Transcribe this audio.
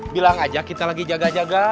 bilang aja kita lagi jaga jaga